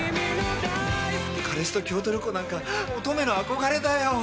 彼氏と京都旅行なんか乙女の憧れだよ。